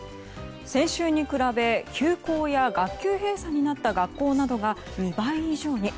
先週に比べ、休校や学級閉鎖になった学校などが２倍以上に。